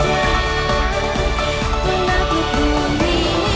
ia memneg informasi